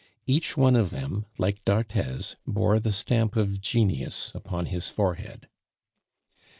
Each one of them, like d'Arthez, bore the stamp of genius upon his forehead.